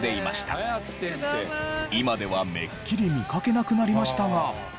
今ではめっきり見かけなくなりましたが。